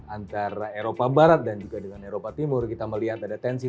antara eropa barat dan juga dengan eropa timur kita melihat ada tensi